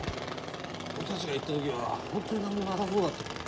俺たちが行った時はホントに何もなさそうだったけど。